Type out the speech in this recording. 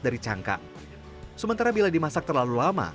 dari cangkang sementara bila dimasak terlalu lama